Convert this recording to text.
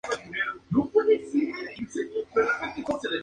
Tras las elecciones, anunció que no buscaría la reelección como jefe del partido.